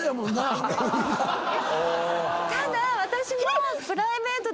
ただ私も。